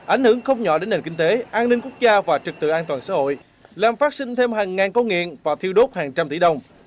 ảnh hưởng không nhỏ đến nền kinh tế an ninh quốc gia và trực tự an toàn xã hội làm phát sinh thêm hàng ngàn câu nghiện và thiêu đốt hàng trăm tỷ đồng